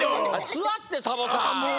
すわってサボさん！